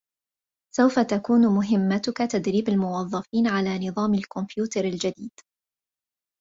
سوف تكون مهمتك تدريب الموظفين على نظام الكمبيوتر الجديد.